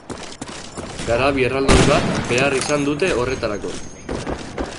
Garabi erraldoi bat behar izan dute horretarako.